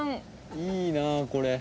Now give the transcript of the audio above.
いいなこれ。